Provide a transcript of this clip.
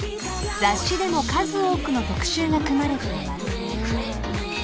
［雑誌でも数多くの特集が組まれています］